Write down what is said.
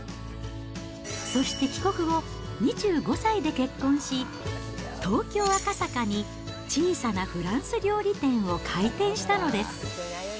そして帰国後、２５歳で結婚し、東京・赤坂に小さなフランス料理店を開店したのです。